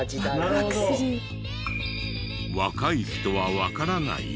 若い人はわからない？